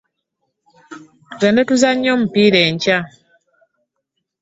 Tugenda kuzannya omupiira enkya.